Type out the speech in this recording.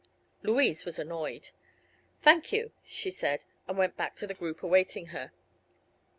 Louise was annoyed. "Thank you," she said, and went back to the group awaiting her.